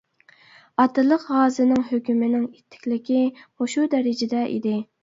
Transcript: ئاتىلىق غازىنىڭ ھۆكمىنىڭ ئىتتىكلىكى مۇشۇ دەرىجىدە ئىدى.